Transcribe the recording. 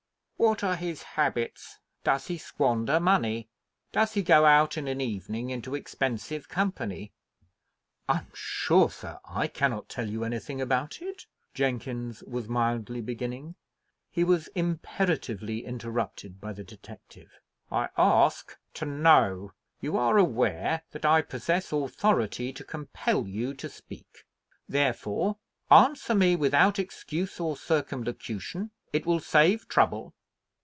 "What are his habits? Does he squander money? Does he go out in an evening into expensive company?" "I'm sure, sir, I cannot tell you anything about it," Jenkins was mildly beginning. He was imperatively interrupted by the detective. "I ask to know. You are aware that I possess authority to compel you to speak; therefore, answer me without excuse or circumlocution; it will save trouble."